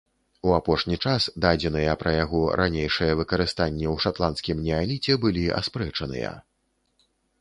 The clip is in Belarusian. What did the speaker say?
У апошні час дадзеныя пра яго ранейшае выкарыстанне ў шатландскім неаліце былі аспрэчаныя.